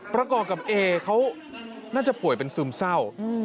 ประกอบกับเอเขาน่าจะป่วยเป็นซึมเศร้า